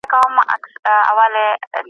په زړه کي مي جاری دی شب و روز عبیدالله